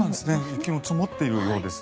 雪が積もっているようです。